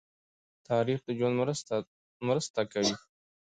تاریخ د ژوند مرسته کوي.